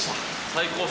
最高。